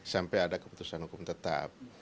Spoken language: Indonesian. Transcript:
sampai ada keputusan hukum tetap